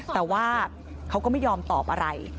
แต่ว่าเขาก็ไม่ยอมตอบอะไร